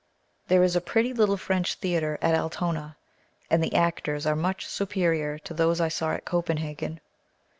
There is a pretty little French theatre at Altona, and the actors are much superior to those I saw at Copenhagen.